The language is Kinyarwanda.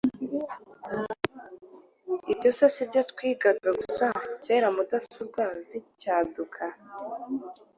Ibyo se si byo twigaga gusa kera mudasobwa zicyaduka?